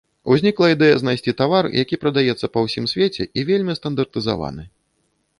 Узнікла ідэя знайсці тавар, які прадаецца па ўсім свеце, і вельмі стандартызаваны.